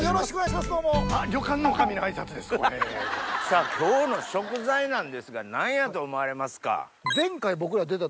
さぁ今日の食材なんですが何やと思われますか？